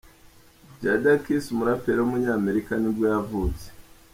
Jadakiss, umuraperi w’umunyamerika ni bwo yavutse.